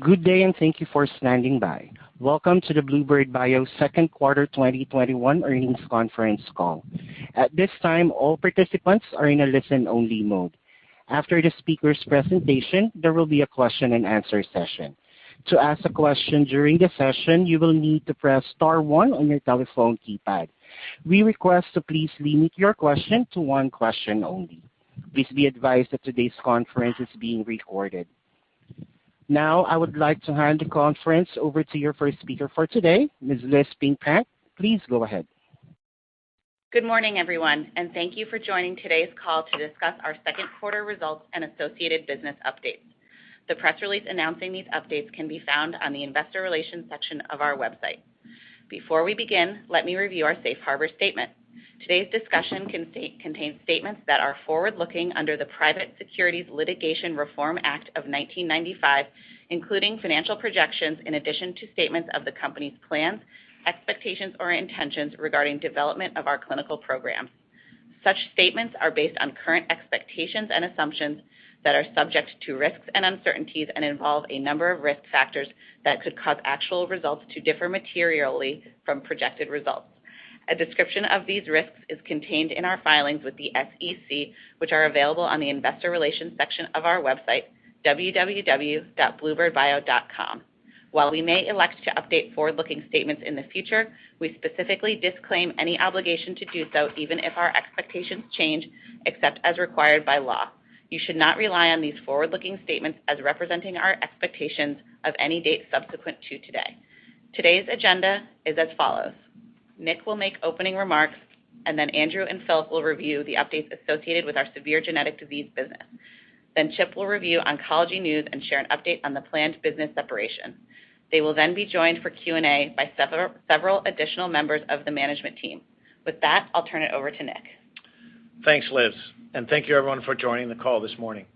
Good day, and thank you for standing by. Welcome to the bluebird bio Second Quarter 2021 earnings conference call. At this time, all participants are in a listen-only mode. After the speaker's presentation, there will be a question and answer session. To ask a question during the session, you will need to press star 1 on your telephone keypad. We request to please limit your question to 1 question only. Please be advised that today's conference is being recorded. Now, I would like to hand the conference over to your first speaker for today, Ms. Elizabeth Pingpank. Please go ahead. Good morning, everyone, and thank you for joining today's call to discuss our second quarter results and associated business updates. The press release announcing these updates can be found on the investor relations section of our website. Before we begin, let me review our safe harbor statement. Today's discussion contains statements that are forward-looking under the Private Securities Litigation Reform Act of 1995, including financial projections in addition to statements of the company's plans, expectations, or intentions regarding development of our clinical programs. Such statements are based on current expectations and assumptions that are subject to risks and uncertainties and involve a number of risk factors that could cause actual results to differ materially from projected results. A description of these risks is contained in our filings with the SEC, which are available on the investor relations section of our website, www.bluebirdbio.com. While we may elect to update forward-looking statements in the future, we specifically disclaim any obligation to do so even if our expectations change, except as required by law. You should not rely on these forward-looking statements as representing our expectations of any date subsequent to today. Today's agenda is as follows. Nick will make opening remarks, and then Andrew and Phil will review the updates associated with our Severe Genetic Disease business. Chip will review oncology news and share an update on the planned business separation. They will then be joined for Q&A by several additional members of the management team. With that, I'll turn it over to Nick. Thanks, Liz. Thank you, everyone, for joining the call this morning.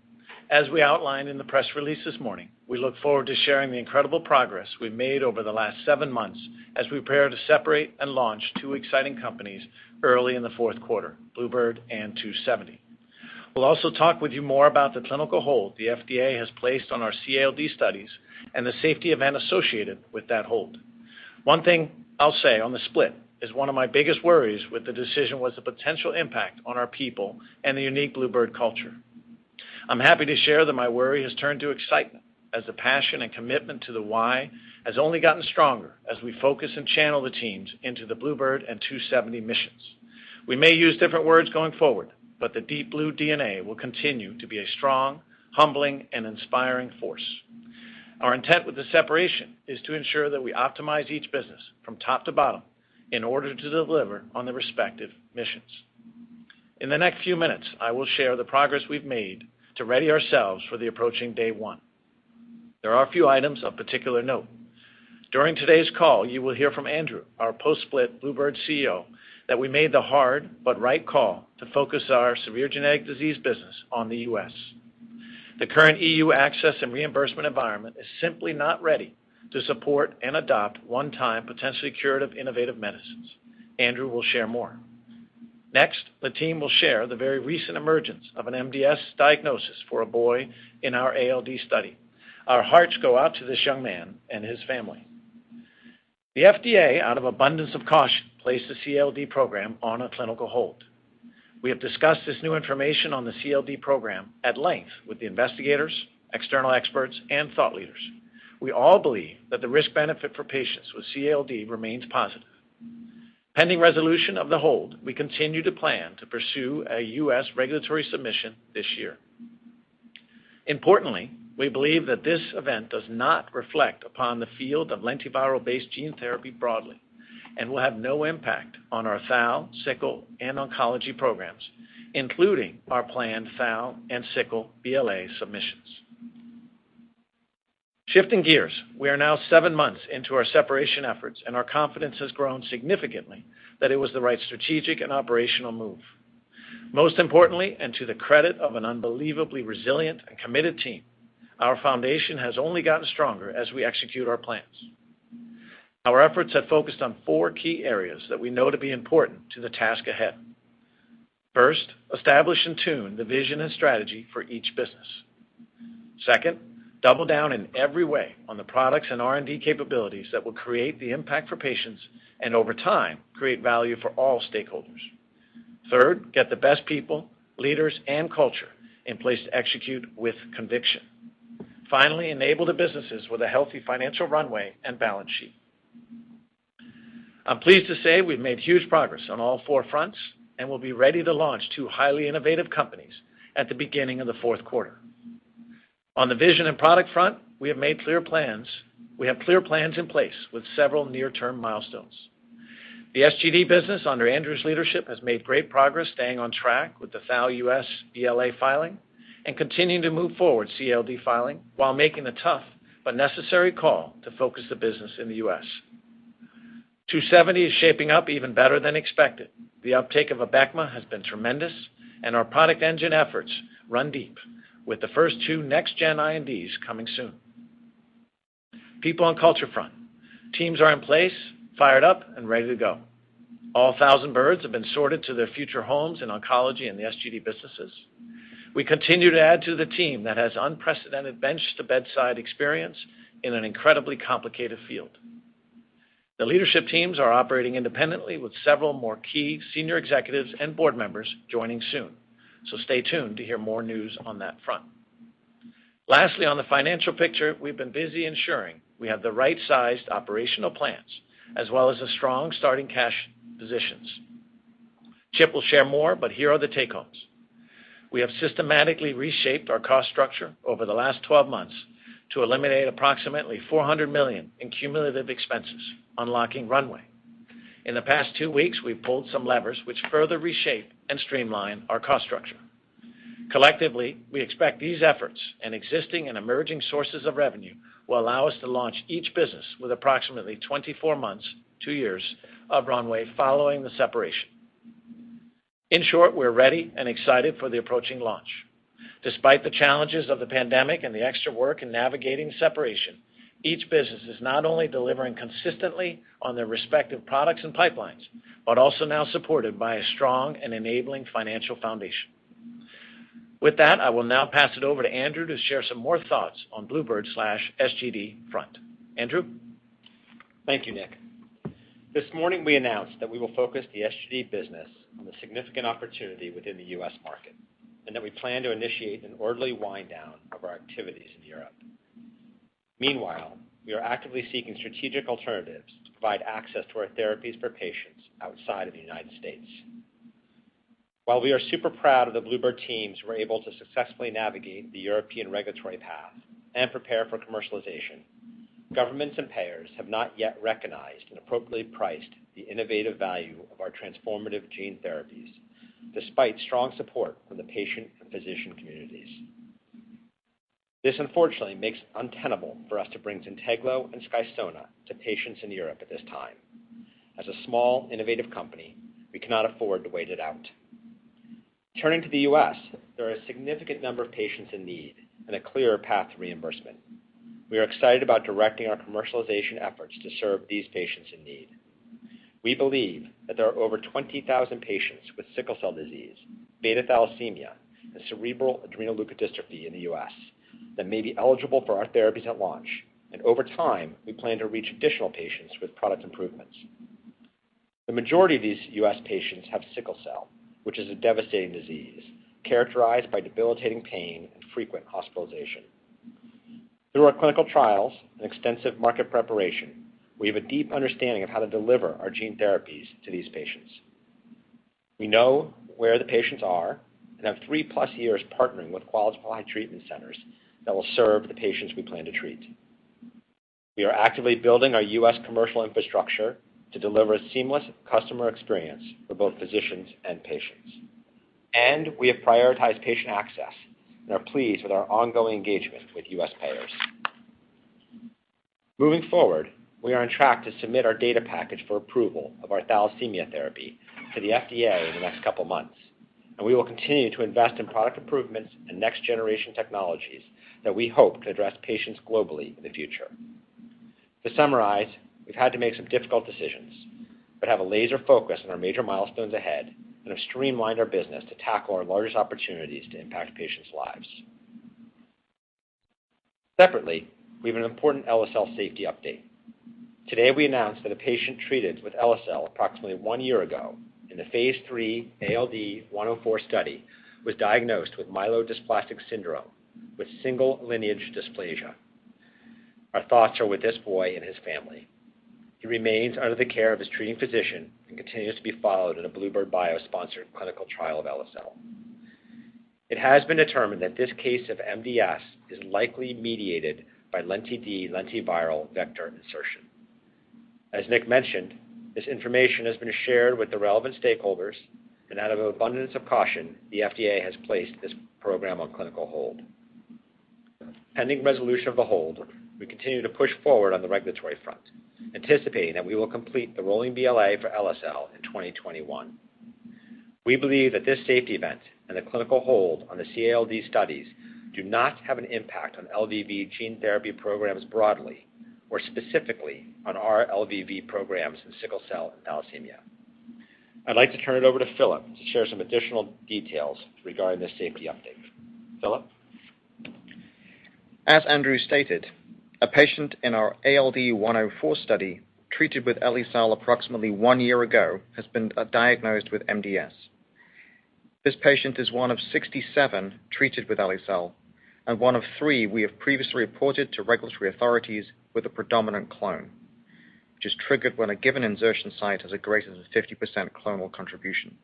As we outlined in the press release this morning, we look forward to sharing the incredible progress we've made over the last seven months as we prepare to separate and launch two exciting companies early in the fourth quarter, bluebird and 2seventy bio. We'll also talk with you more about the clinical hold the FDA has placed on our CALD studies and the safety event associated with that hold. One thing I'll say on the split is one of my biggest worries with the decision was the potential impact on our people and the unique bluebird culture. I'm happy to share that my worry has turned to excitement as the passion and commitment to the why has only gotten stronger as we focus and channel the teams into the bluebird and 2seventy bio missions. We may use different words going forward, but the deep blue DNA will continue to be a strong, humbling, and inspiring force. Our intent with the separation is to ensure that we optimize each business from top to bottom in order to deliver on the respective missions. In the next few minutes, I will share the progress we've made to ready ourselves for the approaching day one. There are a few items of particular note. During today's call, you will hear from Andrew, our post-split bluebird bio CEO, that we made the hard but right call to focus our Severe Genetic Disease business on the U.S. The current EU access and reimbursement environment is simply not ready to support and adopt one-time potentially curative innovative medicines. Andrew will share more. Next, the team will share the very recent emergence of an MDS diagnosis for a boy in our ALD study. Our hearts go out to this young man and his family. The FDA, out of abundance of caution, placed a CALD program on a clinical hold. We have discussed this new information on the CALD program at length with the investigators, external experts, and thought leaders. We all believe that the risk-benefit for patients with CALD remains positive. Pending resolution of the hold, we continue to plan to pursue a U.S. regulatory submission this year. Importantly, we believe that this event does not reflect upon the field of lentiviral-based gene therapy broadly and will have no impact on Thal, Sickle, and Oncology programs, including our planned Thal and Sickle BLA submissions. Shifting gears, we are now seven months into our separation efforts, and our confidence has grown significantly that it was the right strategic and operational move. Most importantly, and to the credit of an unbelievably resilient and committed team, our foundation has only gotten stronger as we execute our plans. Our efforts have focused on four key areas that we know to be important to the task ahead. First, establish and tune the vision and strategy for each business. Second, double down in every way on the products and R&D capabilities that will create the impact for patients and, over time, create value for all stakeholders. Third, get the best people, leaders, and culture in place to execute with conviction. Enable the businesses with a healthy financial runway and balance sheet. I'm pleased to say we've made huge progress on all four fronts and will be ready to launch two highly innovative companies at the beginning of the fourth quarter. On the vision and product front, we have clear plans in place with several near-term milestones. The SGD business under Andrew's leadership has made great progress staying on track with the Thal U.S. BLA filing and continuing to move forward CALD filing while making the tough but necessary call to focus the business in the U.S. 2seventy bio is shaping up even better than expected. The uptake of Abecma has been tremendous. Our product engine efforts run deep, with the first two Next-Gen INDs coming soon. People and culture front. Teams are in place, fired up, and ready to go. All 1,000 birds have been sorted to their future homes in Oncology and the SGD businesses. We continue to add to the team that has unprecedented bench-to-bedside experience in an incredibly complicated field. The leadership teams are operating independently with several more key senior executives and board members joining soon. Stay tuned to hear more news on that front. Lastly, on the financial picture, we've been busy ensuring we have the right-sized operational plans as well as a strong starting cash positions. Chip will share more, here are the take-homes. We have systematically reshaped our cost structure over the last 12 months to eliminate approximately $400 million in cumulative expenses, unlocking runway. In the past two weeks, we've pulled some levers which further reshape and streamline our cost structure. Collectively, we expect these efforts and existing and emerging sources of revenue will allow us to launch each business with approximately 24 months, two years, of runway following the separation. In short, we're ready and excited for the approaching launch. Despite the challenges of the pandemic and the extra work in navigating separation, each business is not only delivering consistently on their respective products and pipelines, but also now supported by a strong and enabling financial foundation. With that, I will now pass it over to Andrew to share some more thoughts on bluebird bio/SGD front. Andrew? Thank you, Nick. This morning we announced that we will focus the SGD business on the significant opportunity within the U.S. market, and that we plan to initiate an orderly wind down of our activities in Europe. Meanwhile, we are actively seeking strategic alternatives to provide access to our therapies for patients outside of the United States. While we are super proud of the bluebird teams who were able to successfully navigate the European regulatory path and prepare for commercialization, governments and payers have not yet recognized and appropriately priced the innovative value of our transformative gene therapies, despite strong support from the patient and physician communities. This unfortunately makes it untenable for us to bring ZYNTEGLO and SKYSONA to patients in Europe at this time. As a small, innovative company, we cannot afford to wait it out. Turning to the U.S., there are a significant number of patients in need and a clearer path to reimbursement. We are excited about directing our commercialization efforts to serve these patients in need. We believe that there are over 20,000 patients with sickle cell disease, beta thalassemia, and cerebral adrenoleukodystrophy in the U.S. that may be eligible for our therapies at launch, and over time, we plan to reach additional patients with product improvements. The majority of these U.S. patients have sickle cell, which is a devastating disease characterized by debilitating pain and frequent hospitalization. Through our clinical trials and extensive market preparation, we have a deep understanding of how to deliver our gene therapies to these patients. We know where the patients are and have 3+ years partnering with Qualified Treatment Centers that will serve the patients we plan to treat. We are actively building our U.S. commercial infrastructure to deliver a seamless customer experience for both physicians and patients. We have prioritized patient access and are pleased with our ongoing engagement with U.S. payers. Moving forward, we are on track to submit our data package for approval of our thalassemia therapy to the FDA in the next couple months. We will continue to invest in product improvements and next-generation technologies that we hope to address patients globally in the future. To summarize, we've had to make some difficult decisions. We have a laser focus on our major milestones ahead and have streamlined our business to tackle our largest opportunities to impact patients' lives. Separately, we have an important eli-cel safety update. Today, we announced that a patient treated with eli-cel approximately one year ago in the phase III ALD-104 study was diagnosed with myelodysplastic syndrome with single lineage dysplasia. Our thoughts are with this boy and his family. He remains under the care of his treating physician and continues to be followed in a bluebird bio-sponsored clinical trial of eli-cel. It has been determined that this case of MDS is likely mediated by Lenti-D lentiviral vector insertion. As Nick mentioned, this information has been shared with the relevant stakeholders, and out of abundance of caution, the FDA has placed this program on clinical hold. Pending resolution of the hold, we continue to push forward on the regulatory front, anticipating that we will complete the rolling BLA for eli-cel in 2021. We believe that this safety event and the clinical hold on the CALD studies do not have an impact on LVV gene therapy programs broadly, or specifically on our LVV programs in sickle cell and thalassemia. I'd like to turn it over to Philip to share some additional details regarding this safety update. Philip? As Andrew stated, a patient in our ALD-104 study treated with eli-cel approximately one year ago has been diagnosed with MDS. This patient is one of 67 treated with eli-cel, and one of three we have previously reported to regulatory authorities with a predominant clone, which is triggered when a given insertion site has a greater than 50% clonal contribution.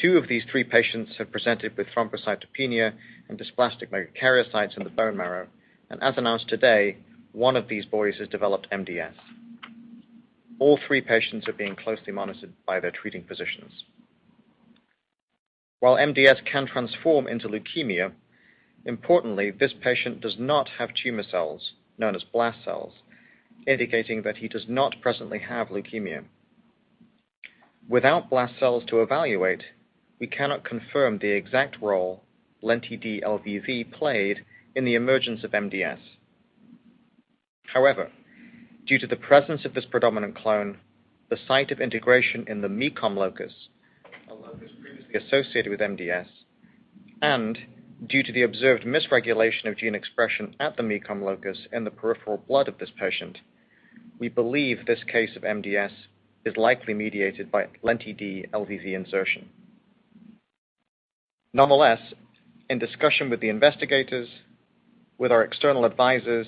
Two of these three patients have presented with thrombocytopenia and dysplastic megakaryocytes in the bone marrow, and as announced today, one of these boys has developed MDS. All three patients are being closely monitored by their treating physicians. While MDS can transform into leukemia, importantly, this patient does not have tumor cells, known as blast cells, indicating that he does not presently have leukemia. Without blast cells to evaluate, we cannot confirm the exact role Lenti-D LVV played in the emergence of MDS. Due to the presence of this predominant clone, the site of integration in the MECOM locus, a locus previously associated with MDS, and due to the observed misregulation of gene expression at the MECOM locus in the peripheral blood of this patient, we believe this case of MDS is likely mediated by Lenti-D LVV insertion. In discussion with the investigators, with our external advisors,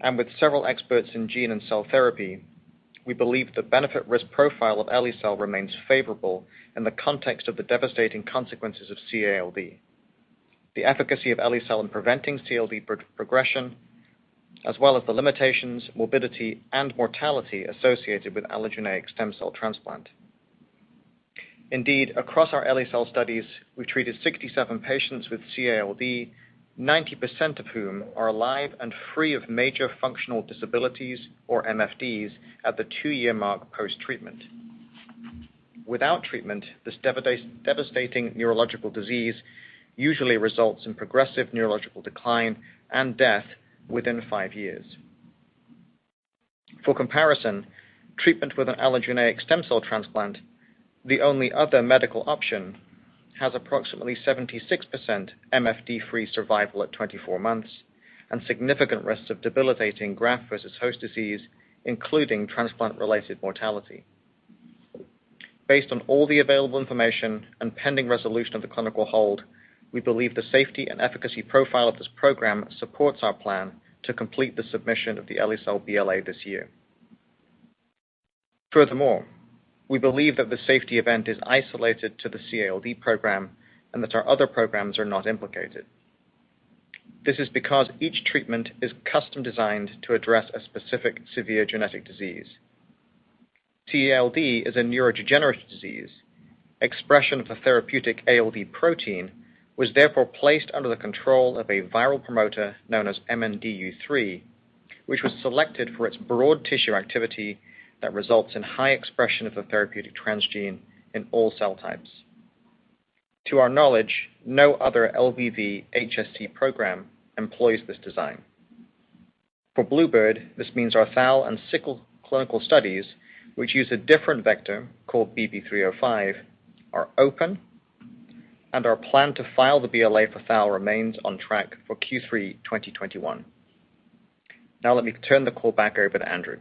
and with several experts in gene and cell therapy, we believe the benefit-risk profile of eli-cel remains favorable in the context of the devastating consequences of CALD, the efficacy of eli-cel in preventing CALD progression, as well as the limitations, morbidity, and mortality associated with allogeneic stem cell transplant. Indeed, across our eli-cel studies, we treated 67 patients with CALD, 90% of whom are alive and free of major functional disabilities, or MFDs, at the two-year mark post-treatment. Without treatment, this devastating neurological disease usually results in progressive neurological decline and death within five years. For comparison, treatment with an allogeneic stem cell transplant, the only other medical option, has approximately 76% MFD-free survival at 24 months and significant risks of debilitating graft versus host disease, including transplant-related mortality. Based on all the available information and pending resolution of the clinical hold, we believe the safety and efficacy profile of this program supports our plan to complete the submission of the eli-cel BLA this year. Furthermore, we believe that the safety event is isolated to the CALD program and that our other programs are not implicated. This is because each treatment is custom-designed to address a specific severe genetic disease. CALD is a neurodegenerative disease. Expression of the therapeutic ALD protein was therefore placed under the control of a viral promoter known as MND U3, which was selected for its broad tissue activity that results in high expression of the therapeutic transgene in all cell types. To our knowledge, no other LVV HSC program employs this design. For bluebird, this means our thal and sickle clinical studies, which use a different vector called BB305, are open, and our plan to file the BLA for thal remains on track for Q3 2021. Now let me turn the call back over to Andrew.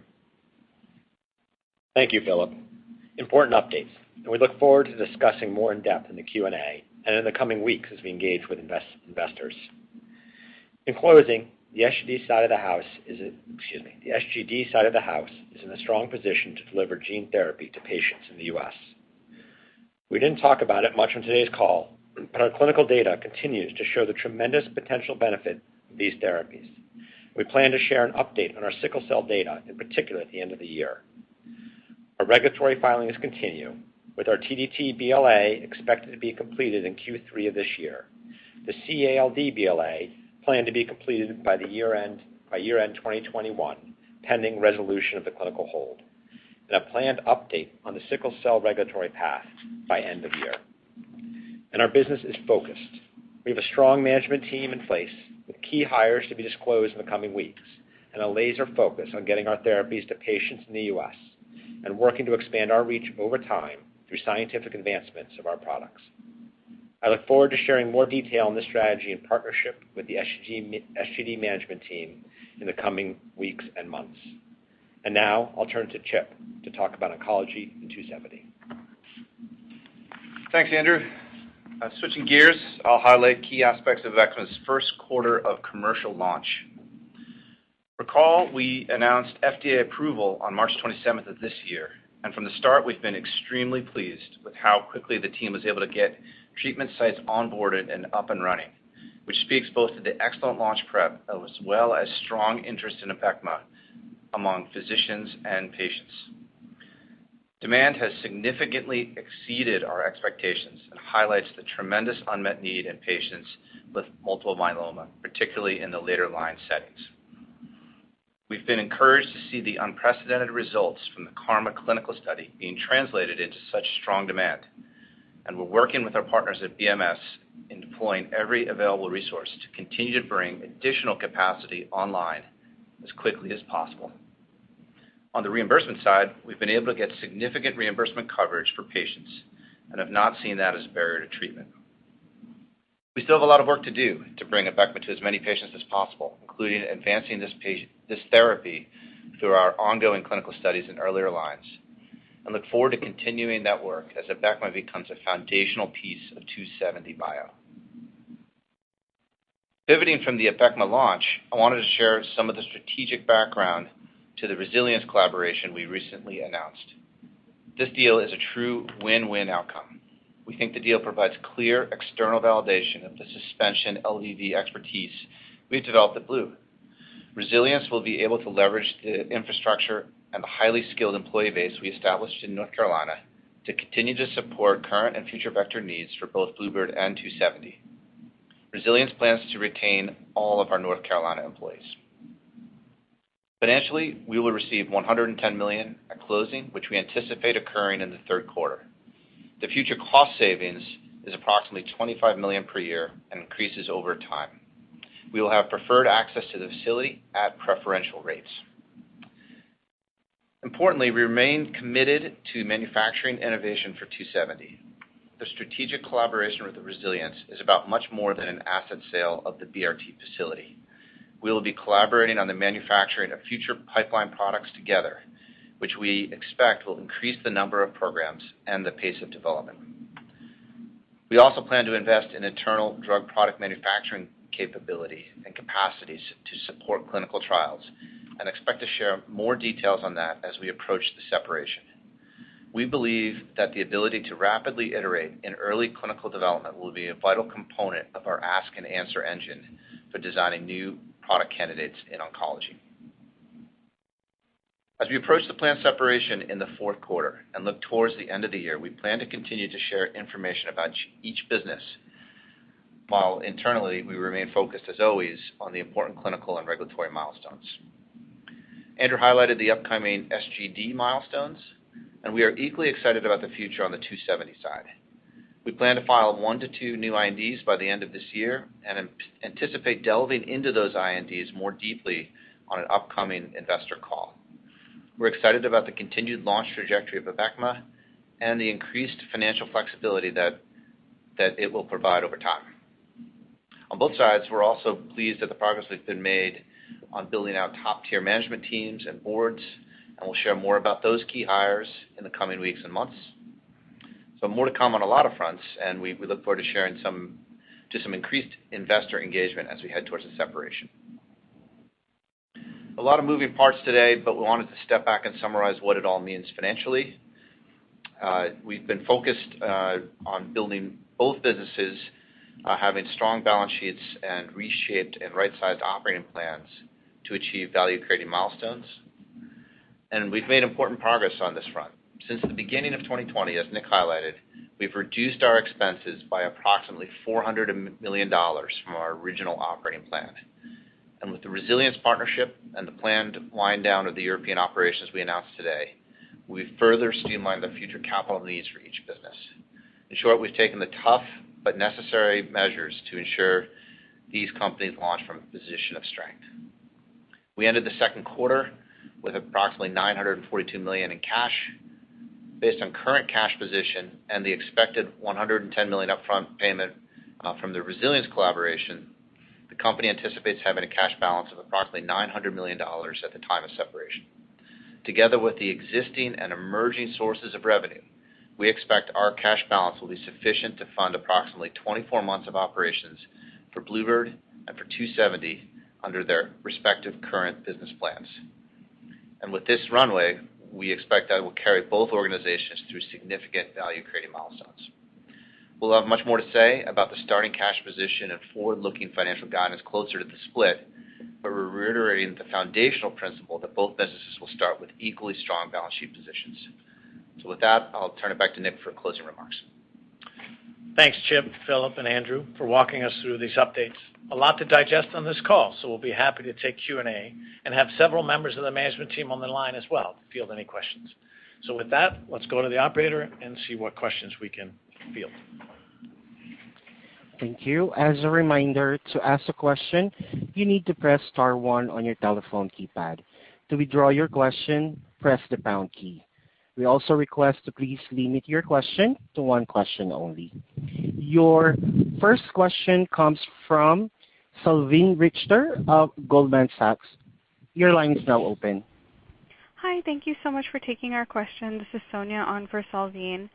Thank you, Philip. Important updates. We look forward to discussing more in depth in the Q&A and in the coming weeks as we engage with investors. In closing, the SGD side of the house is in a strong position to deliver gene therapy to patients in the U.S. We didn't talk about it much on today's call. Our clinical data continues to show the tremendous potential benefit of these therapies. We plan to share an update on our sickle cell data, in particular, at the end of the year. Our regulatory filings continue, with our TDT BLA expected to be completed in Q3 of this year, the CALD BLA planned to be completed by year-end 2021, pending resolution of the clinical hold, and a planned update on the sickle cell regulatory path by end of year. Our business is focused. We have a strong management team in place with key hires to be disclosed in the coming weeks, and a laser focus on getting our therapies to patients in the U.S., and working to expand our reach over time through scientific advancements of our products. I look forward to sharing more detail on this strategy and partnership with the SGD management team in the coming weeks and months. Now I'll turn to Chip to talk about oncology and 2seventy bio. Thanks, Andrew. Switching gears, I'll highlight key aspects of Abecma's first quarter of commercial launch. Recall we announced FDA approval on March 27th of this year, and from the start, we've been extremely pleased with how quickly the team was able to get treatment sites onboarded and up and running, which speaks both to the excellent launch prep as well as strong interest in Abecma among physicians and patients. Demand has significantly exceeded our expectations and highlights the tremendous unmet need in patients with multiple myeloma, particularly in the later line settings. We've been encouraged to see the unprecedented results from the KarMMa clinical study being translated into such strong demand, and we're working with our partners at BMS in deploying every available resource to continue to bring additional capacity online as quickly as possible. On the reimbursement side, we've been able to get significant reimbursement coverage for patients and have not seen that as a barrier to treatment. We still have a lot of work to do to bring Abecma to as many patients as possible, including advancing this therapy through our ongoing clinical studies in earlier lines. I look forward to continuing that work as Abecma becomes a foundational piece of 2seventy bio. Pivoting from the Abecma launch, I wanted to share some of the strategic background to the Resilience collaboration we recently announced. This deal is a true win-win outcome. We think the deal provides clear external validation of the suspension LVV expertise we've developed at bluebird bio. Resilience will be able to leverage the infrastructure and the highly skilled employee base we established in North Carolina to continue to support current and future vector needs for both bluebird bio and 2seventy bio. Resilience plans to retain all of our North Carolina employees. Financially, we will receive $110 million at closing, which we anticipate occurring in the third quarter. The future cost savings is approximately $25 million per year and increases over time. We will have preferred access to the facility at preferential rates. Importantly, we remain committed to manufacturing innovation for 2seventy bio. The strategic collaboration with Resilience is about much more than an asset sale of the bRT facility. We will be collaborating on the manufacturing of future pipeline products together, which we expect will increase the number of programs and the pace of development. We also plan to invest in internal drug product manufacturing capability and capacities to support clinical trials and expect to share more details on that as we approach the separation. We believe that the ability to rapidly iterate in early clinical development will be a vital component of our ask and answer engine for designing new product candidates in oncology. As we approach the planned separation in the fourth quarter and look towards the end of the year, we plan to continue to share information about each business, while internally, we remain focused, as always, on the important clinical and regulatory milestones. Andrew highlighted the upcoming SGD milestones, and we are equally excited about the future on the 2seventy bio side. We plan to file one to two new INDs by the end of this year and anticipate delving into those INDs more deeply on an upcoming investor call. We're excited about the continued launch trajectory of Abecma and the increased financial flexibility that it will provide over time. On both sides, we're also pleased at the progress that's been made on building our top-tier management teams and boards, and we'll share more about those key hires in the coming weeks and months. More to come on a lot of fronts, and we look forward to sharing some increased investor engagement as we head towards the separation. A lot of moving parts today, but we wanted to step back and summarize what it all means financially. We've been focused on building both businesses, having strong balance sheets, and reshaped and right-sized operating plans to achieve value-creating milestones. We've made important progress on this front. Since the beginning of 2020, as Nick highlighted, we've reduced our expenses by approximately $400 million from our original operating plan. With the Resilience partnership and the planned wind down of the European operations we announced today, we've further streamlined the future capital needs for each business. In short, we've taken the tough but necessary measures to ensure these companies launch from a position of strength. We ended the second quarter with approximately $942 million in cash. Based on current cash position and the expected $110 million upfront payment from the Resilience collaboration, the company anticipates having a cash balance of approximately $900 million at the time of separation. Together with the existing and emerging sources of revenue, we expect our cash balance will be sufficient to fund approximately 24 months of operations for bluebird bio and for 2seventy bio under their respective current business plans. With this runway, we expect that it will carry both organizations through significant value-creating milestones. We'll have much more to say about the starting cash position and forward-looking financial guidance closer to the split, but we're reiterating the foundational principle that both businesses will start with equally strong balance sheet positions. With that, I'll turn it back to Nick for closing remarks. Thanks, Chip, Philip, and Andrew, for walking us through these updates. A lot to digest on this call, so we'll be happy to take Q&A and have several members of the management team on the line as well to field any questions. With that, let's go to the operator and see what questions we can field. Thank you. As a reminder, to ask a question, you need to press star one on your telephone keypad. To withdraw your question, press the pound key. We also request to please limit your question to one question only. Your first question comes from Salveen Richter of Goldman Sachs. Your line is now open. Hi, thank you so much for taking our question. This is Sonia on for Salveen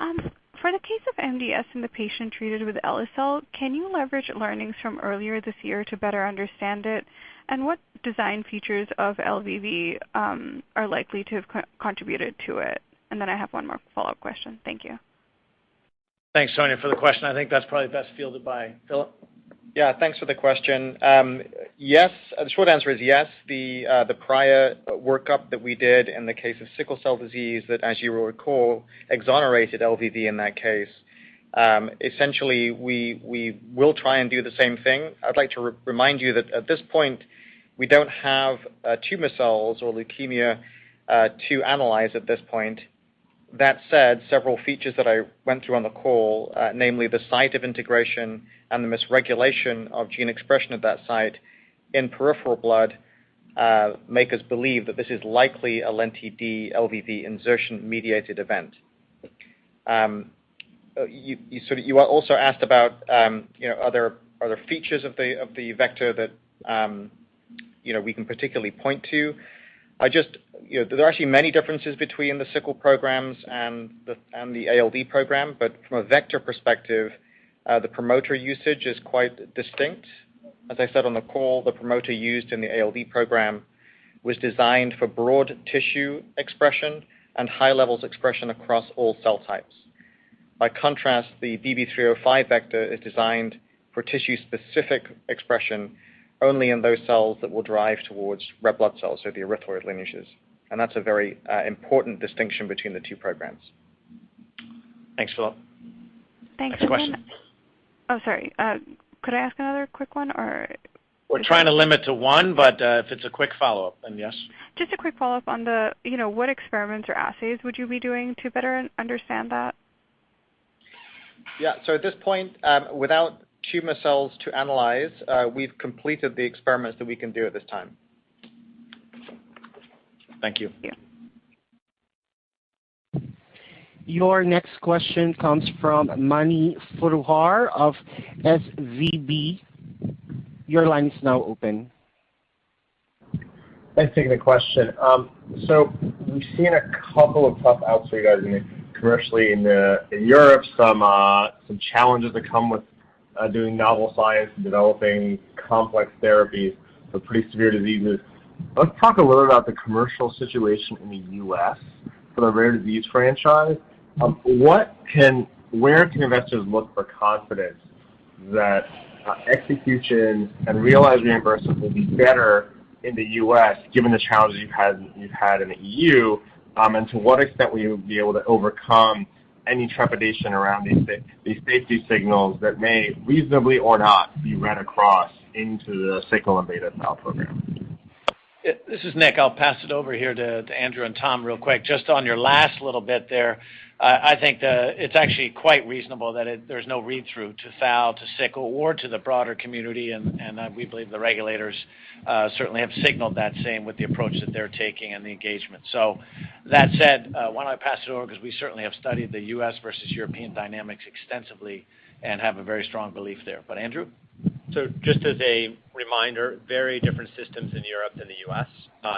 Richter. For the case of MDS in the patient treated with eli-cel, can you leverage learnings from earlier this year to better understand it? What design features of LVV are likely to have contributed to it? I have one more follow-up question. Thank you. Thanks, Sonia, for the question. I think that's probably best fielded by Philip. Yeah. Thanks for the question. The short answer is yes. The prior workup that we did in the case of sickle cell disease that, as you will recall, exonerated LVV in that case. Essentially, we will try and do the same thing. I'd like to remind you that at this point, we don't have tumor cells or leukemia to analyze at this point. That said, several features that I went through on the call, namely the site of integration and the misregulation of gene expression at that site in peripheral blood make us believe that this is likely a Lenti-D LVV insertion-mediated event. You also asked about are there features of the vector that we can particularly point to? There are actually many differences between the sickle programs and the ALD program. From a vector perspective, the promoter usage is quite distinct. As I said on the call, the promoter used in the ALD program was designed for broad tissue expression and high levels expression across all cell types. By contrast, the BB305 vector is designed for tissue-specific expression only in those cells that will drive towards red blood cells or the erythroid lineages, and that's a very important distinction between the two programs. Thanks, Philip. Thank you very much. Next question. Oh, sorry. Could I ask another quick one, or? We're trying to limit to one, but if it's a quick follow-up, then yes. Just a quick follow-up on what experiments or assays would you be doing to better understand that? Yeah. At this point, without tumor cells to analyze, we've completed the experiments that we can do at this time. Thank you. Yeah. Your next question comes from Mani Foroohar of SVB Leerink. Your line is now open. Thanks for taking the question. We've seen a couple of tough outs for you guys commercially in Europe, some challenges that come with doing novel science and developing complex therapies for pretty severe diseases. Let's talk a little about the commercial situation in the U.S. for the rare disease franchise. Where can investors look for confidence that execution and realized reimbursements will be better in the U.S., given the challenges you've had in the E.U.? To what extent will you be able to overcome any trepidation around these safety signals that may reasonably or not be read across into the Sickle and Beta Thal program? This is Nick. I'll pass it over here to Andrew and Tom real quick. Just on your last little bit there, I think that it's actually quite reasonable that there's no read-through to thal, to sickle, or to the broader community. We believe the regulators certainly have signaled that same with the approach that they're taking and the engagement. That said, why don't I pass it over because we certainly have studied the U.S. versus European dynamics extensively and have a very strong belief there. Andrew? Just as a reminder, very different systems in Europe than the U.S.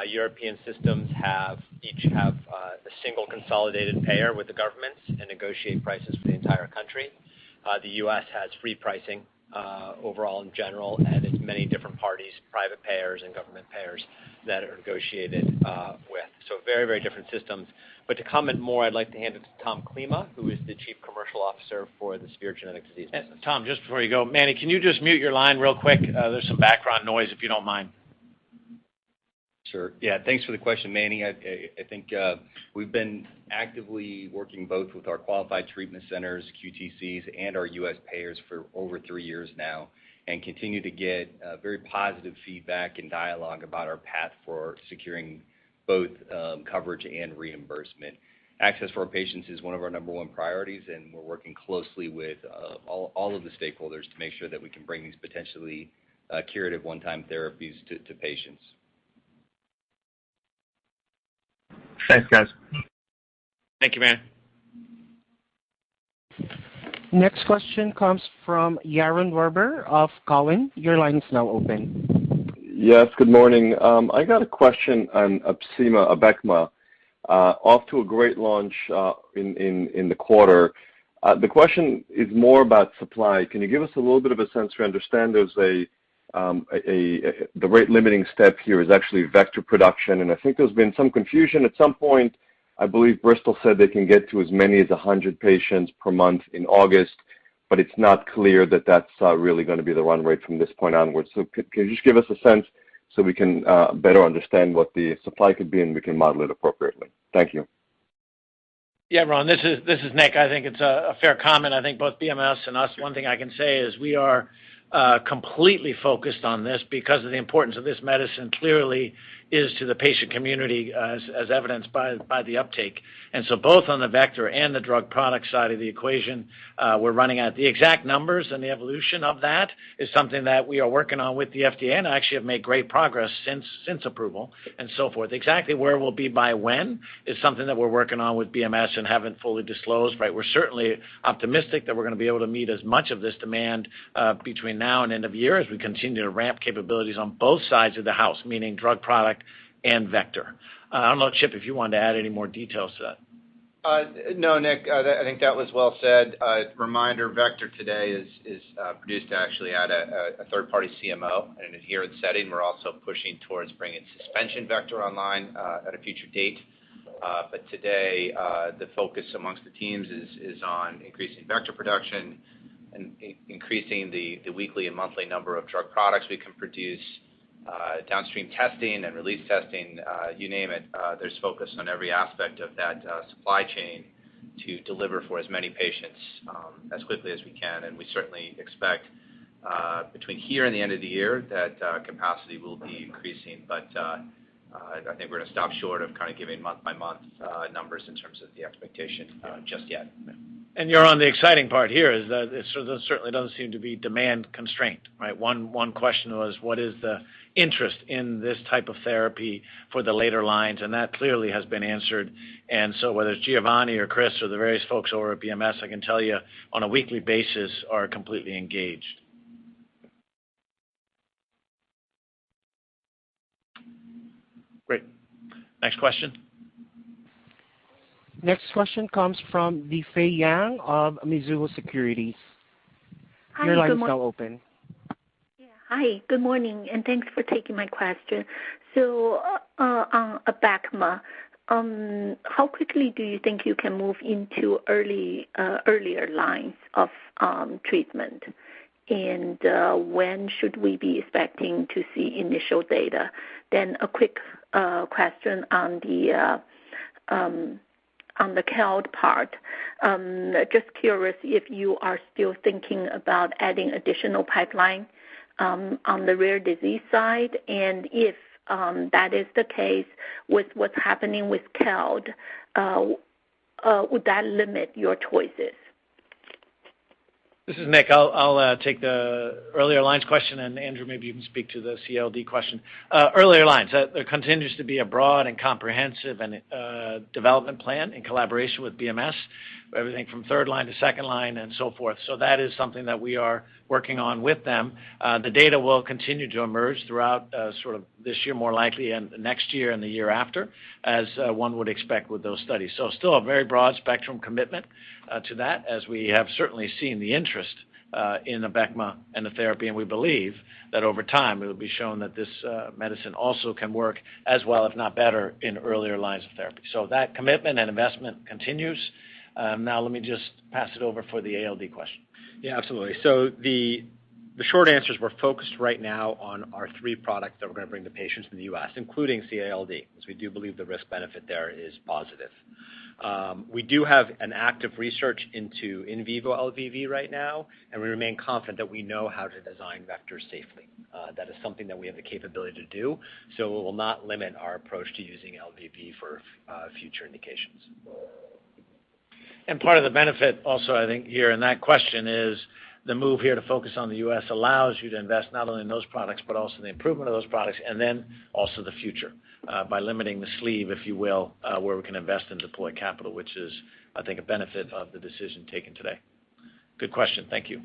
European systems each have a single consolidated payer with the governments and negotiate prices for the entire country. The U.S. has free pricing overall, in general, and it's many different parties, private payers and government payers that are negotiated with. Very, very different systems. To comment more, I'd like to hand it to Tom Klima, who is the Chief Commercial Officer for the Severe Genetic Disease business. Tom, just before you go, Mani, can you just mute your line real quick? There's some background noise, if you don't mind. Sure. Thanks for the question, Mani. I think we've been actively working both with our Qualified Treatment Centers, QTCs, and our U.S. payers for over three years now, and continue to get very positive feedback and dialogue about our path for securing both coverage and reimbursement. Access for our patients is one of our number one priorities, and we're working closely with all of the stakeholders to make sure that we can bring these potentially curative one-time therapies to patients. Thanks, guys. Thank you, Mani. Next question comes from Yaron Werber of Cowen. Your line is now open. Yes, good morning. I got a question on Opsema, Abecma. Off to a great launch in the quarter. The question is more about supply. Can you give us a little bit of a sense? We understand the rate-limiting step here is actually vector production, and I think there's been some confusion. At some point, I believe Bristol said they can get to as many as 100 patients per month in August, but it's not clear that that's really going to be the run rate from this point onwards. Can you just give us a sense so we can better understand what the supply could be, and we can model it appropriately? Thank you. Yaron, this is Nick. I think it's a fair comment. I think both BMS and us, one thing I can say is we are completely focused on this because of the importance of this medicine clearly is to the patient community, as evidenced by the uptake. Both on the vector and the drug product side of the equation, we're running at the exact numbers, and the evolution of that is something that we are working on with the FDA and actually have made great progress since approval and so forth. Exactly where we'll be by when is something that we're working on with BMS and haven't fully disclosed, right? We're certainly optimistic that we're going to be able to meet as much of this demand between now and end of year, as we continue to ramp capabilities on both sides of the house, meaning drug product and vector. I don't know, Chip, if you wanted to add any more details to that. No, Nick, I think that was well said. A reminder, Vector today is produced actually at a third-party CMO in an adherent setting. We're also pushing towards bringing suspension Vector online at a future date. Today, the focus amongst the teams is on increasing Vector production and increasing the weekly and monthly number of drug products we can produce, downstream testing and release testing, you name it. There's focus on every aspect of that supply chain to deliver for as many patients as quickly as we can. We certainly expect between here and the end of the year that capacity will be increasing. I think we're going to stop short of giving month-by-month numbers in terms of the expectation just yet. Yaron, the exciting part here is that it certainly doesn't seem to be demand-constrained, right? One question was, what is the interest in this type of therapy for the later lines? That clearly has been answered. Whether it's Giovanni or Chris or the various folks over at BMS, I can tell you on a weekly basis are completely engaged. Great. Next question. Next question comes from Difei Yang of Mizuho Securities. Hi, good mor-. Your line is now open. Yeah. Hi. Good morning, and thanks for taking my question. On Abecma, how quickly do you think you can move into earlier lines of treatment? When should we be expecting to see initial data? A quick question on the CALD part, just curious if you are still thinking about adding additional pipeline on the rare disease side. If that is the case, with what's happening with CALD, would that limit your choices? This is Nick. I'll take the earlier lines question, and Andrew, maybe you can speak to the CALD question. Earlier lines. There continues to be a broad and comprehensive development plan in collaboration with BMS, everything from third line to second line and so forth. That is something that we are working on with them. The data will continue to emerge throughout this year, more likely, and next year and the year after, as one would expect with those studies. Still a very broad spectrum commitment to that as we have certainly seen the interest in Abecma and the therapy, and we believe that over time it'll be shown that this medicine also can work as well, if not better, in earlier lines of therapy. That commitment and investment continues. Now let me just pass it over for the ALD question. Absolutely. The short answer is we're focused right now on our three products that we're going to bring to patients in the U.S., including CALD, because we do believe the risk-benefit there is positive. We do have an active research into in vivo LVV right now, and we remain confident that we know how to design vectors safely. That is something that we have the capability to do, so it will not limit our approach to using LVV for future indications. Part of the benefit also, I think, here in that question is the move here to focus on the U.S. allows you to invest not only in those products, but also in the improvement of those products, and then also the future. By limiting the sleeve, if you will, where we can invest and deploy capital, which is, I think, a benefit of the decision taken today. Good question. Thank you.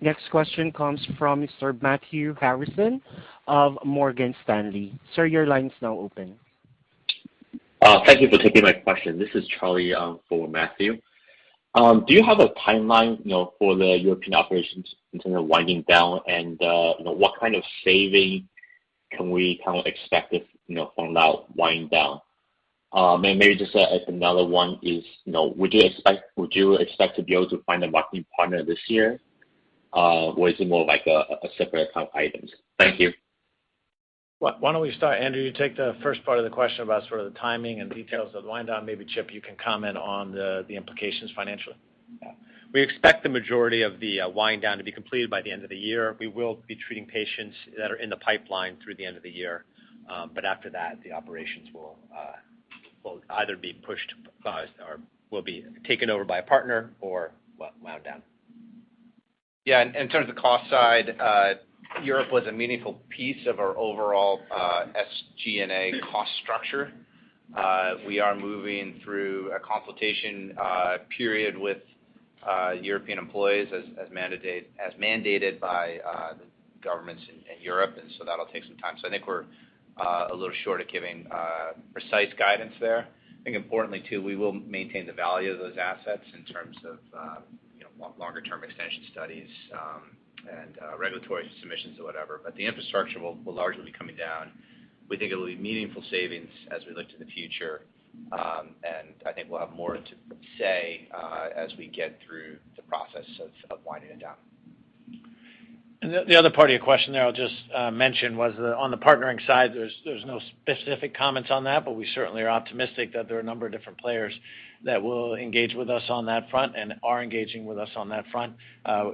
Next question comes from Mr. Matthew Harrison of Morgan Stanley. Sir, your line is now open. Thank you for taking my question. This is Charlie for Matthew. Do you have a timeline for the European operations in terms of winding down and what kind of savings can we expect from that wind down? Maybe just as another one, would you expect to be able to find a marketing partner this year? Or is it more like a separate item? Thank you. Why don't we start, Andrew, you take the first part of the question about sort of the timing and details of the wind down. Maybe Chip, you can comment on the implications financially. We expect the majority of the wind down to be completed by the end of the year. We will be treating patients that are in the pipeline through the end of the year. After that, the operations will either be pushed or will be taken over by a partner or wound down. In terms of cost side, Europe was a meaningful piece of our overall SG&A cost structure. We are moving through a consultation period with European employees as mandated by the governments in Europe, that'll take some time. I think we're a little short of giving precise guidance there. I think importantly, too, we will maintain the value of those assets in terms of longer-term extension studies and regulatory submissions or whatever. The infrastructure will largely be coming down. We think it'll be meaningful savings as we look to the future. I think we'll have more to say as we get through the process of winding it down. The other part of your question there I'll just mention was on the partnering side, there's no specific comments on that, but we certainly are optimistic that there are a number of different players that will engage with us on that front and are engaging with us on that front.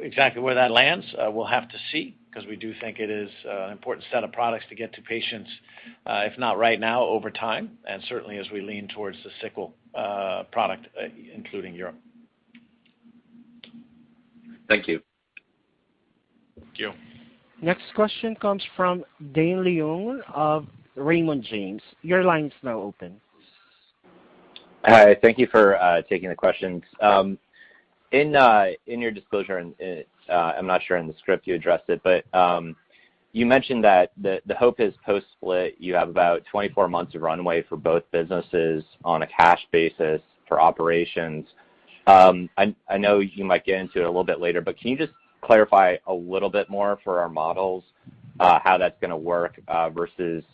Exactly where that lands, we'll have to see, because we do think it is an important set of products to get to patients, if not right now, over time, and certainly as we lean towards the sickle product, including Europe. Thank you. Thank you. Next question comes from Dane Leone of Raymond James. Your line is now open. Hi, thank you for taking the questions. In your disclosure, and I'm not sure in the script you addressed it, but you mentioned that the hope is post-split you have about 24 months of runway for both businesses on a cash basis for operations. I know you might get into it a little bit later, but can you just clarify a little bit more for our models how that's going to work versus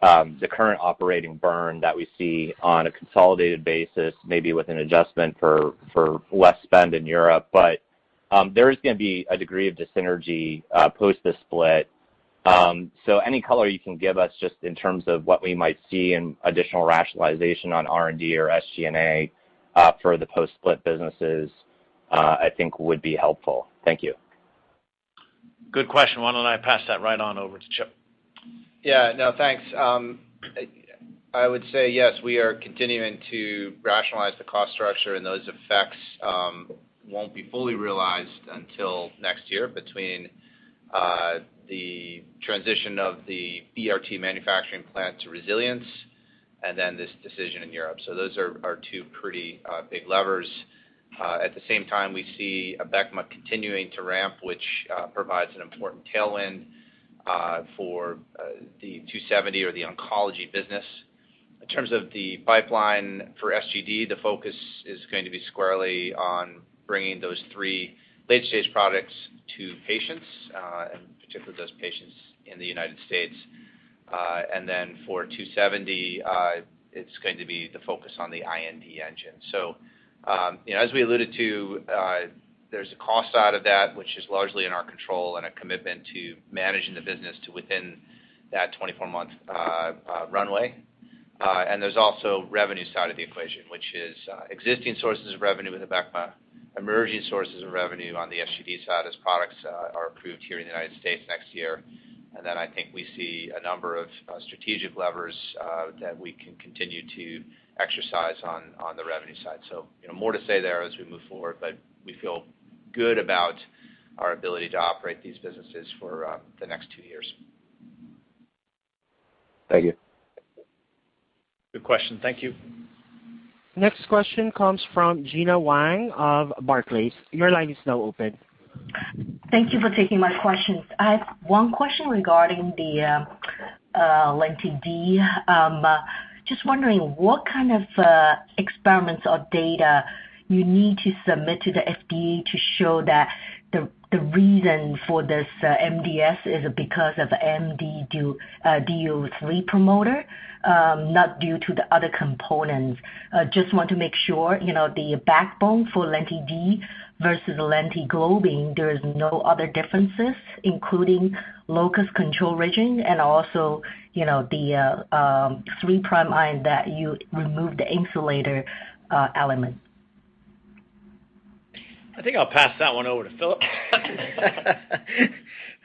the current operating burn that we see on a consolidated basis, maybe with an adjustment for less spend in Europe? There is going to be a degree of dyssynergy post this split. Any color you can give us just in terms of what we might see in additional rationalization on R&D or SG&A for the post-split businesses, I think would be helpful. Thank you. Good question. Why don't I pass that right on over to Chip? Yeah. No, thanks. I would say yes, we are continuing to rationalize the cost structure and those effects won't be fully realized until next year between the transition of the bVM manufacturing plant to Resilience and then this decision in Europe. Those are our two pretty big levers. At the same time, we see Abecma continuing to ramp, which provides an important tailwind for the 2seventy bio or the Oncology business. In terms of the pipeline for SGD, the focus is going to be squarely on bringing those three late-stage products to patients, and particularly those patients in the U.S. For 2seventy bio, it's going to be the focus on the IND engine. As we alluded to, there's a cost side of that, which is largely in our control and a commitment to managing the business to within that 24-month runway. And there's also revenue side of the equation, which is existing sources of revenue in Abecma, emerging sources of revenue on the SGD side as products are approved here in the U.S. next year. I think we see a number of strategic levers that we can continue to exercise on the revenue side. More to say there as we move forward, but we feel good about our ability to operate these businesses for the next 2 years. Thank you. Good question. Thank you. Next question comes from Gena Wang of Barclays. Your line is now open. Thank you for taking my questions. I have one question regarding the Lenti-D. Just wondering what kind of experiments or data you need to submit to the FDA to show that the reason for this MDS is because of MND U3 promoter, not due to the other components. Just want to make sure, the backbone for Lenti-D versus the LentiGlobin, there is no other differences, including locus control region and also the 3' UTR that you removed the insulator element. I think I'll pass that one over to Philip.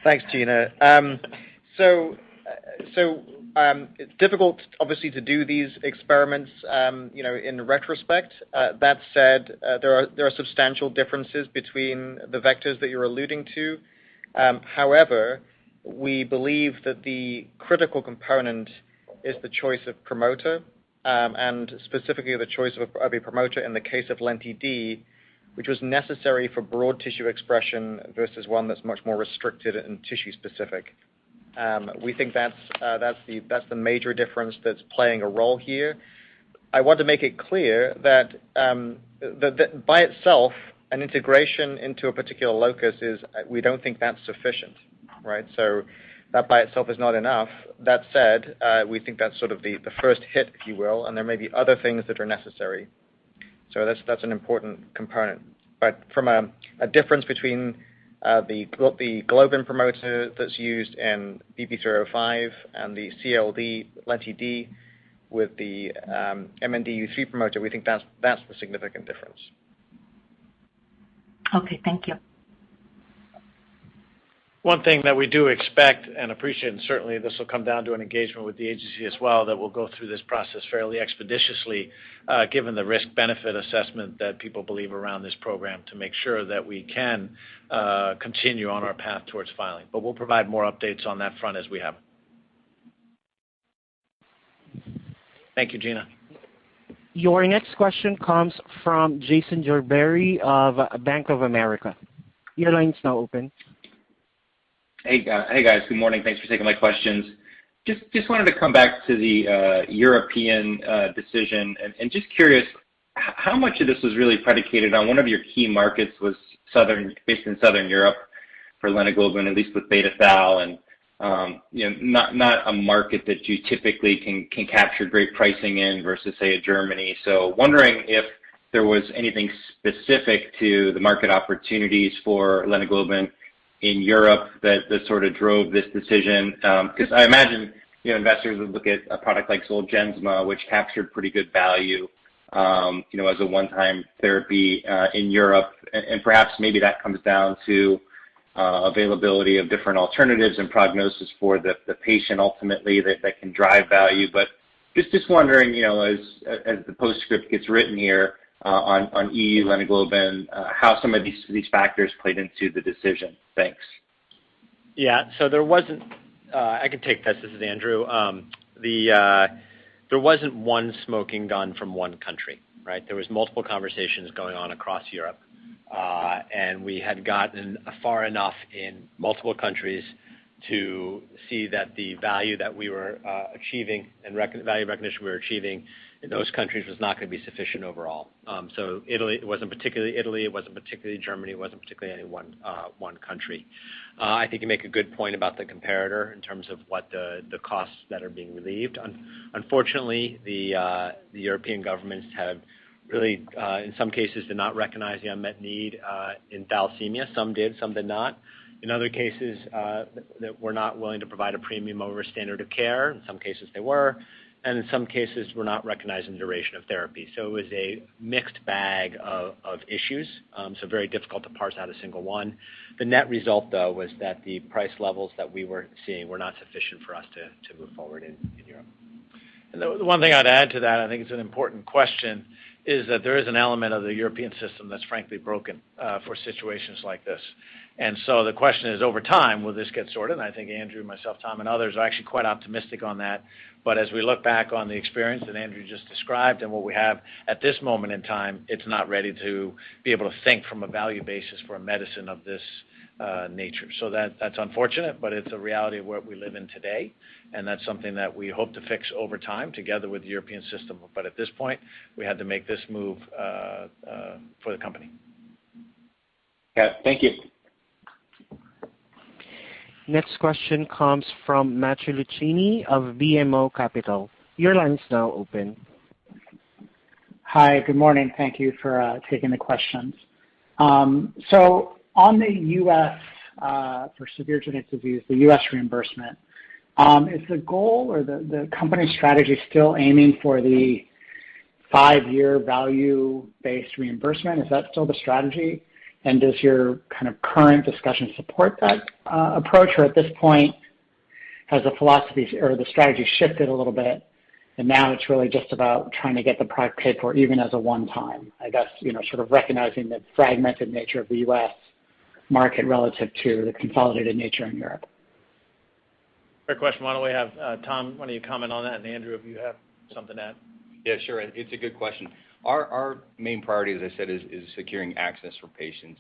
Thanks, Gena. It's difficult obviously to do these experiments in retrospect. That said, there are substantial differences between the vectors that you're alluding to. However, we believe that the critical component is the choice of promoter, and specifically the choice of a promoter in the case of Lenti-D, which was necessary for broad tissue expression versus one that's much more restricted and tissue specific. We think that's the major difference that's playing a role here. I want to make it clear that by itself, an integration into a particular locus is, we don't think that's sufficient, right? That by itself is not enough. That said, we think that's sort of the first hit, if you will, and there may be other things that are necessary. That's an important component. From a difference between the globin promoter that's used in BB305 and the CALD Lenti-D with the MND U3 promoter, we think that's the significant difference. Okay, thank you. One thing that we do expect and appreciate, and certainly this will come down to an engagement with the agency as well, that we'll go through this process fairly expeditiously, given the risk-benefit assessment that people believe around this program to make sure that we can continue on our path towards filing. We'll provide more updates on that front as we have. Thank you, Gena. Your next question comes from Jason Gerberry of Bank of America. Your line is now open. Hey, guys. Good morning. Thanks for taking my questions. Just wanted to come back to the European decision, and just curious how much of this was really predicated on one of your key markets was based in Southern Europe for LentiGlobin, at least with beta thal and not a market that you typically can capture great pricing in versus, say, a Germany. Wondering if there was anything specific to the market opportunities for LentiGlobin in Europe that sort of drove this decision. I imagine investors would look at a product like ZOLGENSMA, which captured pretty good value as a one-time therapy in Europe. Perhaps maybe that comes down to availability of different alternatives and prognosis for the patient ultimately that can drive value. Just wondering, as the postscript gets written here on EU LentiGlobin, how some of these factors played into the decision. Thanks. I can take this. This is Andrew. There wasn't one smoking gun from one country, right? There was multiple conversations going on across Europe. We had gotten far enough in multiple countries to see that the value recognition we were achieving in those countries was not going to be sufficient overall. It wasn't particularly Italy, it wasn't particularly Germany, it wasn't particularly any one country. I think you make a good point about the comparator in terms of what the costs that are being relieved. Unfortunately, the European governments have really, in some cases, did not recognize the unmet need in thalassemia. Some did, some did not. In other cases, that were not willing to provide a premium over standard of care. In some cases, they were, and in some cases, were not recognizing the duration of therapy. It was a mixed bag of issues. Very difficult to parse out a single one. The net result, though, was that the price levels that we were seeing were not sufficient for us to move forward in Europe. The one thing I'd add to that, I think it's an important question, is that there is an element of the European system that's frankly broken for situations like this. The question is, over time, will this get sorted? I think Andrew, myself, Tom, and others are actually quite optimistic on that. As we look back on the experience that Andrew just described and what we have at this moment in time, it's not ready to be able to think from a value basis for a medicine of this nature. That's unfortunate, but it's a reality of where we live in today, and that's something that we hope to fix over time together with the European system. At this point, we had to make this move for the company. Yeah. Thank you. Next question comes from Matthew Luchini of BMO Capital Markets. Your line is now open. Hi, good morning. Thank you for taking the questions. On the U.S. for Severe Genetic Disease, the U.S. reimbursement, is the goal or the company strategy still aiming for the five-year value-based reimbursement? Is that still the strategy? Does your current discussion support that approach, or at this point, has the philosophy or the strategy shifted a little bit, and now it's really just about trying to get the product paid for even as a one-time? I guess, sort of recognizing the fragmented nature of the U.S. market relative to the consolidated nature in Europe. Great question. Why don't we have Tom, why don't you comment on that, and Andrew, if you have something to add? Yeah, sure. It's a good question. Our main priority, as I said, is securing access for patients.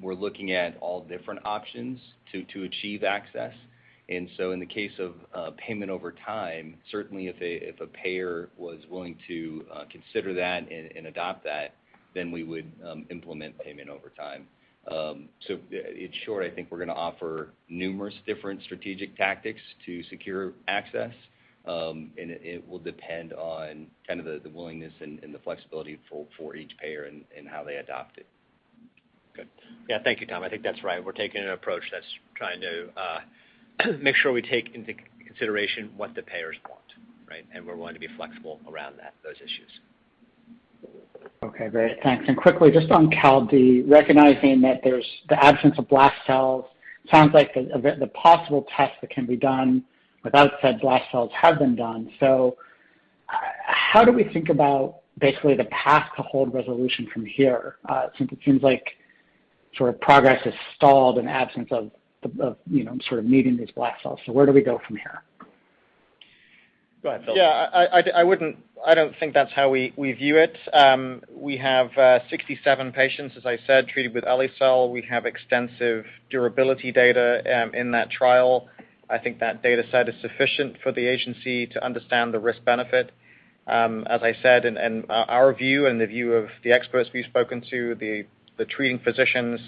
We're looking at all different options to achieve access. In the case of payment over time, certainly if a payer was willing to consider that and adopt that, we would implement payment over time. In short, I think we're going to offer numerous different strategic tactics to secure access. It will depend on the willingness and the flexibility for each payer and how they adopt it. Good. Yeah, thank you, Tom. I think that's right. We're taking an approach that's trying to make sure we take into consideration what the payers want, right? We're willing to be flexible around those issues. Okay, great. Thanks. Quickly, just on CALD, recognizing that there's the absence of blast cells, sounds like the possible tests that can be done without said blast cells have been done. How do we think about basically the path to hold resolution from here, since it seems like progress has stalled in absence of meeting these blast cells. Where do we go from here? Go ahead, Philip. I don't think that's how we view it. We have 67 patients, as I said, treated with eli-cel. We have extensive durability data in that trial. I think that data set is sufficient for the agency to understand the risk-benefit. As I said, and our view and the view of the experts we've spoken to, the treating physicians,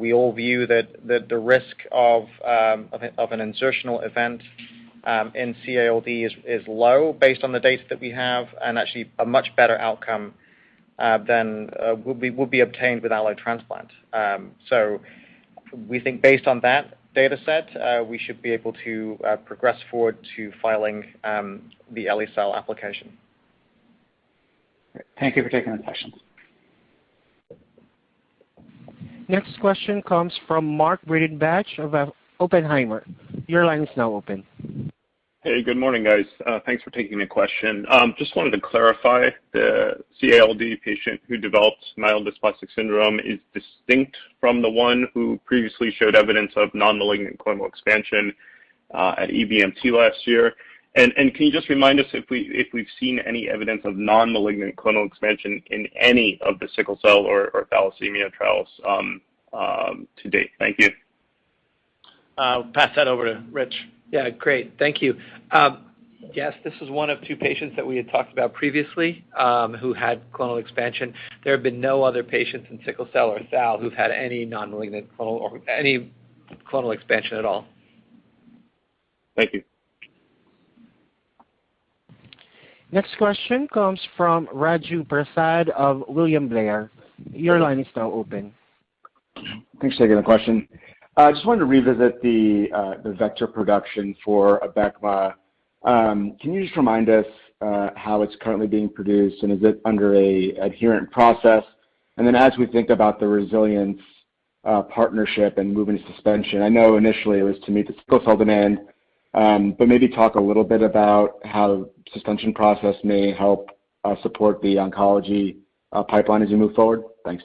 we all view that the risk of an insertional event in CALD is low based on the data that we have, and actually a much better outcome than would be obtained with allo transplant. We think based on that data set, we should be able to progress forward to filing the eli-cel application. Thank you for taking the questions. Next question comes from Mark Breidenbach of Oppenheimer. Your line is now open. Hey, good morning, guys. Thanks for taking the question. Just wanted to clarify, the CALD patient who developed myelodysplastic syndrome is distinct from the one who previously showed evidence of non-malignant clonal expansion at EBMT last year? Can you just remind us if we've seen any evidence of non-malignant clonal expansion in any of the sickle cell or thalassemia trials to date? Thank you. I'll pass that over to Rich. Yeah, great. Thank you. Yes, this is one of two patients that we had talked about previously, who had clonal expansion. There have been no other patients in sickle cell or thal who've had any non-malignant clonal or any clonal expansion at all. Thank you. Next question comes from Raju Prasad of William Blair. Your line is now open. Thanks for taking the question. I just wanted to revisit the vector production for Abecma. Can you just remind us how it's currently being produced, and is it under a adherent process? As we think about the Resilience partnership and moving to suspension, I know initially it was to meet the sickle cell demand, but maybe talk a little bit about how the suspension process may help support the Oncology pipeline as you move forward. Thanks.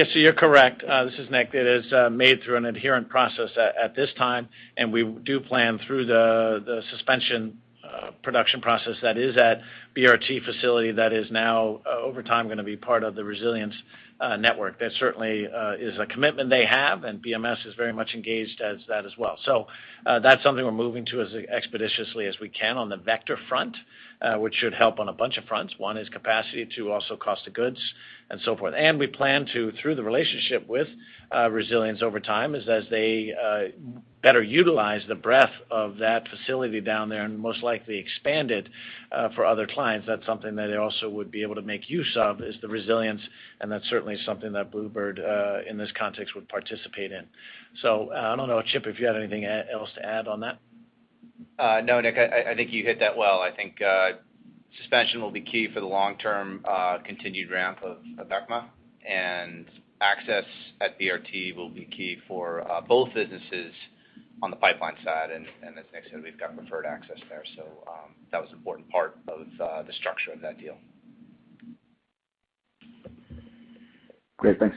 Yeah, so you're correct. This is Nick. It is made through an adherent process at this time, and we do plan through the suspension production process that is at bRT facility that is now over time going to be part of the Resilience network. That certainly is a commitment they have, and BMS is very much engaged as that as well. That's something we're moving to as expeditiously as we can on the vector front, which should help on a bunch of fronts. One is capacity, two, also cost of goods and so forth. We plan to, through the relationship with Resilience over time is, as they better utilize the breadth of that facility down there and most likely expand it for other clients, that's something that they also would be able to make use of is the Resilience. That's certainly something that bluebird bio, in this context, would participate in. I don't know, Chip, if you have anything else to add on that. No, Nick, I think you hit that well. I think suspension will be key for the long-term continued ramp of Abecma, and access at bRT will be key for both businesses on the pipeline side, and as Nick said, we've got preferred access there. That was an important part of the structure of that deal. Great. Thanks.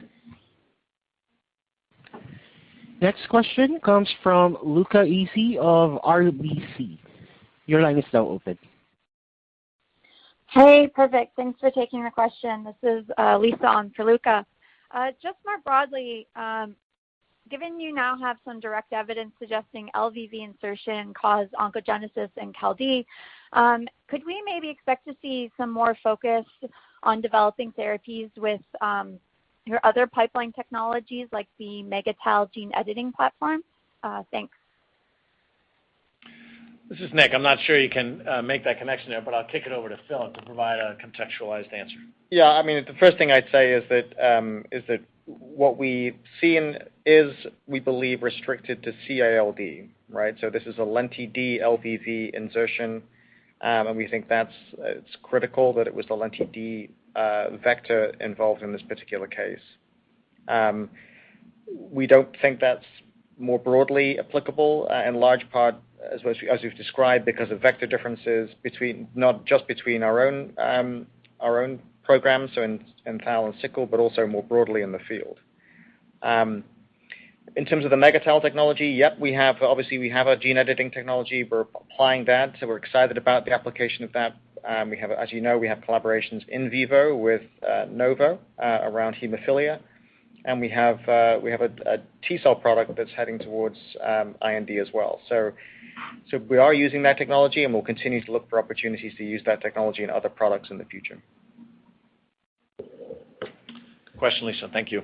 Next question comes from Luca Issi of RBC. Your line is now open. Hey, perfect. Thanks for taking the question. This is Lisa on for Luca. More broadly, given you now have some direct evidence suggesting LVV insertion caused oncogenesis in CALD, could we maybe expect to see some more focus on developing therapies with your other pipeline technologies like the megaTAL gene editing platform? Thanks. This is Nick. I'm not sure you can make that connection there. I'll kick it over to Philip to provide a contextualized answer. The first thing I'd say is that what we've seen is, we believe, restricted to CALD. This is a Lenti-D LVV insertion, and we think it's critical that it was the Lenti-D vector involved in this particular case. We don't think that's more broadly applicable, in large part, as we've described, because of vector differences, not just between our own programs, in thal and sickle, but also more broadly in the field. In terms of the megaTAL technology, yep, obviously, we have a gene editing technology. We're applying that, we're excited about the application of that. As you know, we have collaborations in vivo with Novo around hemophilia, and we have a T-cell product that's heading towards IND as well. We are using that technology, and we'll continue to look for opportunities to use that technology in other products in the future. Good question, Lisa. Thank you.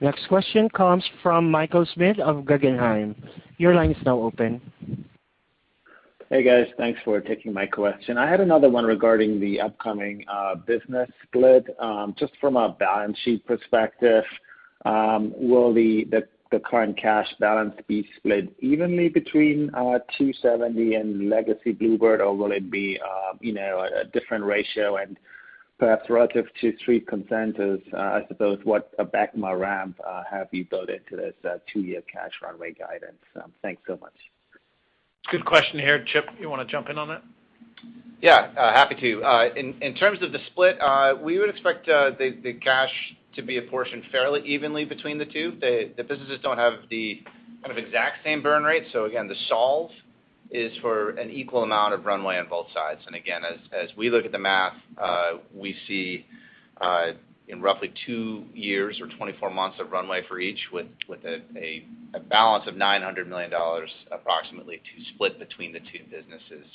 Next. Next question comes from Michael Schmidt of Guggenheim. Your line is now open. Hey, guys. Thanks for taking my question. I had another one regarding the upcoming business split. Just from a balance sheet perspective, will the current cash balance be split evenly between 2seventy bio and Legacy bluebird bio, or will it be a different ratio? Perhaps relative to Street consensus, I suppose what Abecma ramp have you built into this two-year cash runway guidance? Thanks so much. Good question here. Chip, you want to jump in on that? Yeah, happy to. In terms of the split, we would expect the cash to be apportioned fairly evenly between the two. The businesses don't have the exact same burn rate. Again, the solve is for an equal amount of runway on both sides. Again, as we look at the math, we see in roughly two years or 24 months of runway for each with a balance of $900 million approximately to split between the two businesses.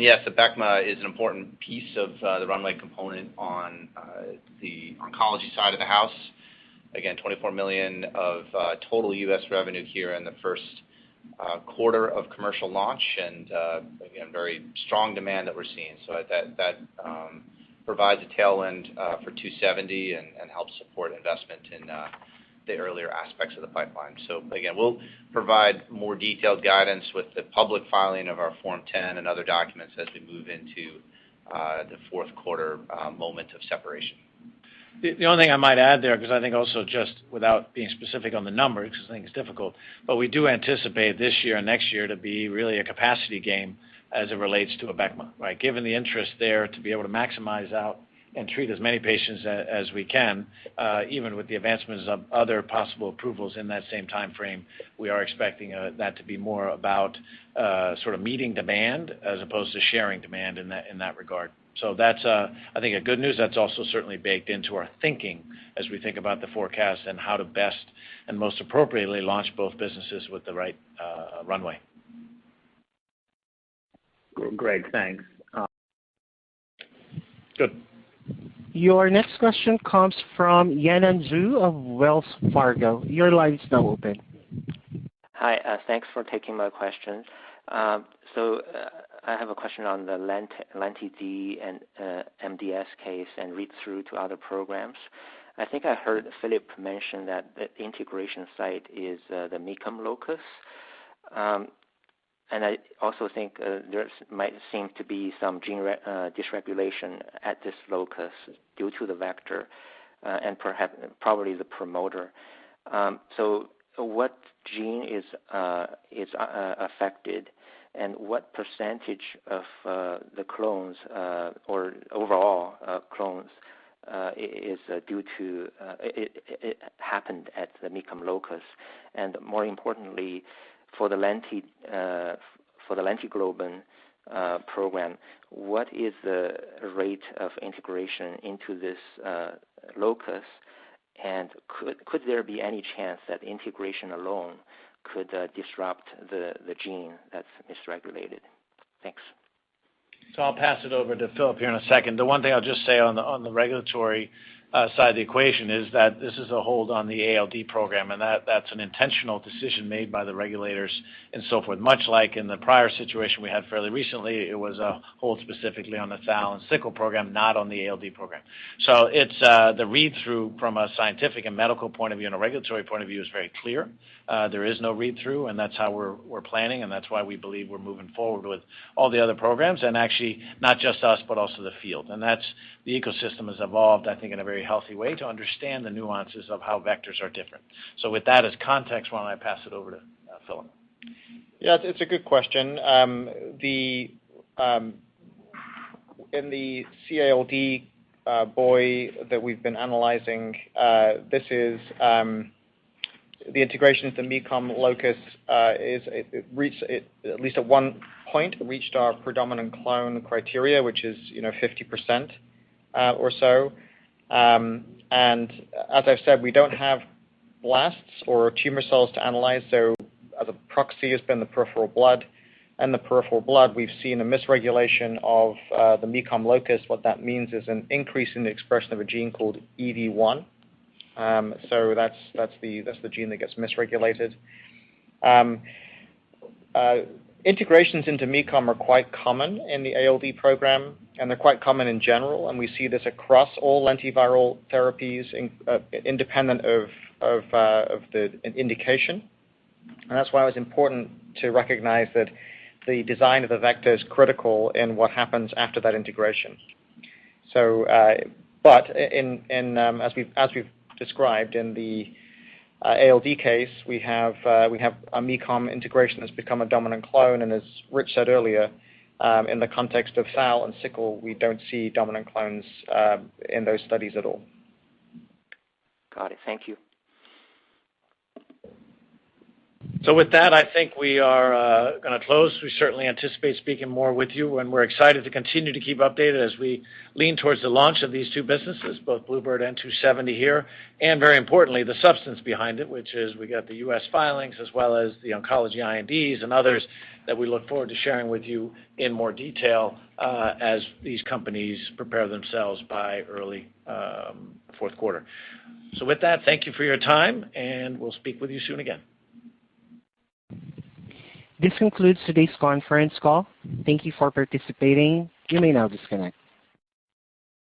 Yes, Abecma is an important piece of the runway component on the oncology side of the house. Again, $24 million of total U.S. revenue here in the first quarter of commercial launch, and again, very strong demand that we're seeing. That provides a tail end for 2seventy bio and helps support investment in the earlier aspects of the pipeline. Again, we'll provide more detailed guidance with the public filing of our Form 10 and other documents as we move into the fourth quarter moment of separation. The only thing I might add there, because I think also just without being specific on the numbers, because I think it's difficult, but we do anticipate this year and next year to be really a capacity game as it relates to Abecma. Given the interest there to be able to maximize out and treat as many patients as we can, even with the advancements of other possible approvals in that same timeframe, we are expecting that to be more about sort of meeting demand as opposed to sharing demand in that regard. That's, I think, a good news that's also certainly baked into our thinking as we think about the forecast and how to best and most appropriately launch both businesses with the right runway. Great. Thanks. Good. Your next question comes from Yanan Zhu of Wells Fargo. Your line is now open. Hi, thanks for taking my question. I have a question on the Lenti-D and MDS case and read through to other programs. I think I heard Philip mention that the integration site is the MECOM locus. I also think there might seem to be some gene dysregulation at this locus due to the vector, and probably the promoter. What gene is affected, and what percentage of the clones or overall clones happened at the MECOM locus? More importantly, for the LentiGlobin program, what is the rate of integration into this locus, and could there be any chance that integration alone could disrupt the gene that's dysregulated? Thanks. I'll pass it over to Philip here in a second. The one thing I'll just say on the regulatory side of the equation is that this is a hold on the ALD program, and that's an intentional decision made by the regulators and so forth. Much like in the prior situation we had fairly recently, it was a hold specifically on the Thal and Sickle program, not on the ALD program. The read-through from a scientific and medical point of view and a regulatory point of view is very clear. There is no read-through, and that's how we're planning, and that's why we believe we're moving forward with all the other programs, and actually not just us, but also the field. The ecosystem has evolved, I think, in a very healthy way to understand the nuances of how vectors are different. With that as context, why don't I pass it over to Philip? Yeah, it's a good question. In the CALD boy that we've been analyzing, the integration into MECOM locus, at least at one point, reached our predominant clone criteria, which is 50% or so. As I've said, we don't have blasts or tumor cells to analyze, so the proxy has been the peripheral blood. In the peripheral blood, we've seen a misregulation of the MECOM locus. What that means is an increase in the expression of a gene called EVI1. That's the gene that gets misregulated. Integrations into MECOM are quite common in the ALD program, and they're quite common in general, and we see this across all lentiviral therapies independent of the indication. That's why it was important to recognize that the design of the vector is critical in what happens after that integration. As we've described in the ALD case, we have a MECOM integration that's become a dominant clone, and as Rich said earlier, in the context of thal and sickle, we don't see dominant clones in those studies at all. Got it. Thank you. With that, I think we are going to close. We certainly anticipate speaking more with you, and we're excited to continue to keep updated as we lean towards the launch of these two businesses, both bluebird bio and 2seventy bio here, and very importantly, the substance behind it, which is we got the U.S. filings as well as the oncology INDs and others that we look forward to sharing with you in more detail as these companies prepare themselves by early fourth quarter. With that, thank you for your time, and we'll speak with you soon again. This concludes today's conference call. Thank you for participating. You may now disconnect.